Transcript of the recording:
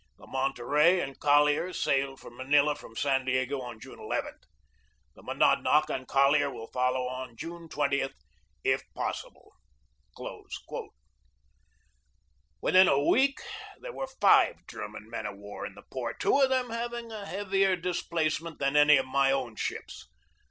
The Monterey and collier sailed for Manila from San Diego on June n. The Monadnock and collier will follow on June 20, if possible. ..." Within a week there were five German men of war in the port, two of them having a heavier dis placement than any of my own ships.